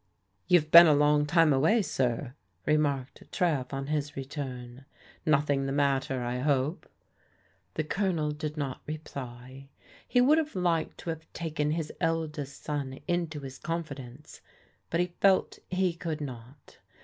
" You've been a long time away, sir," remarked Trev on his return; " nothing the matter, I hope? " The G>lonel did not reply. He would have liked to have taken his eldest son into his confidence ; but he felt he could not.